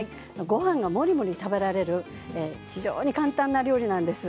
ごはんがもりもり食べられる非常に簡単な料理なんです。